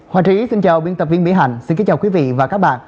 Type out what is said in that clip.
hòa trí xin chào biên tập viên mỹ hạnh xin kính chào quý vị và các bạn